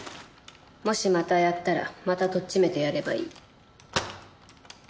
もしまたやったらまたとっちめてやればいい。